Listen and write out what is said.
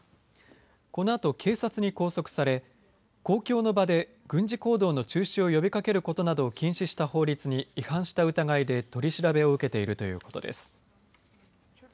このあと警察に拘束され公共の場で軍事行動の中止を呼びかけることなどを禁止した法律に違反した疑いで取り調べを受けているということです。